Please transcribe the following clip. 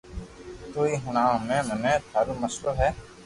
توئي ھڻاو ھمي مني ٿارو مئسلو ھي